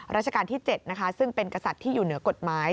ราชการที่๗นะคะซึ่งเป็นกษัตริย์ที่อยู่เหนือกฎหมาย